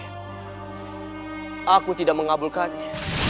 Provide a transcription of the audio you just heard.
saya tidak mengabulkannya